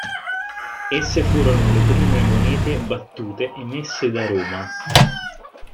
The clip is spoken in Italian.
Esse furono le prime monete battute emesse da Roma.